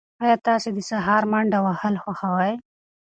ایا تاسي د سهار منډه وهل خوښوئ؟